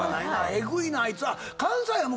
「エグいなあいつは」